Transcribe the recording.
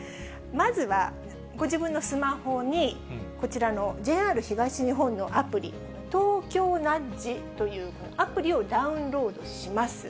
まずはご自分のスマホにこちらのＪＲ東日本のアプリ、トウキョウナッジというアプリをダウンロードします。